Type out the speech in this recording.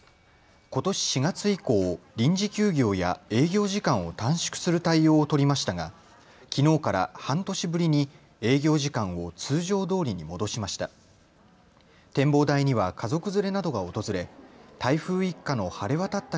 ことし４月以降、臨時休業や営業時間を短縮する対応を取りましたがきのうから半年ぶりに営業時間を通常どおりに戻しました。